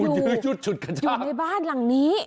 ชุดกัจชาติอยู่ในบ้านหลังนี้